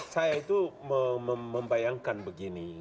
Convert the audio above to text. saya itu membayangkan begini